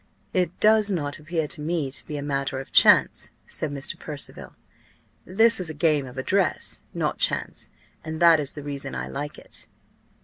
"It does not appear to me to be a matter of chance," said Mr. Percival. "This is a game of address, not chance, and that is the reason I like it."